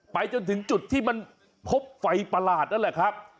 จนถึงจุดที่มันพบไฟประหลาดนั่นแหละครับ